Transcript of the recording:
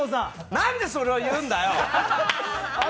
なんでそれを言うんだよ！